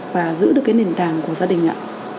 và giữ được cái nền tảng của gia đình ạ